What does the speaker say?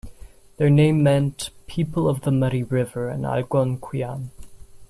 Their name meant "people of the muddy river" in Algonquian.